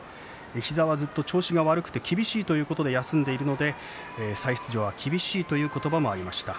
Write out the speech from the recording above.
膝はずっと調子が悪くて厳しいということで休んでいるので再出場は厳しいという言葉がありました。